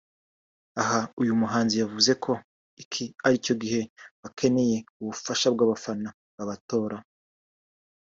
aha uyu muhanzi yavuze ko iki aricyo gihe bakeneyeho ubufasha bw’abafana babatora